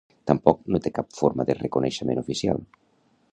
Tampoc no té cap forma de reconeixement oficial.